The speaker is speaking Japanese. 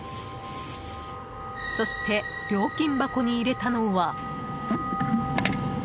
そして、料金箱に入れたのは。